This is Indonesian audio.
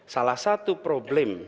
salah satu problem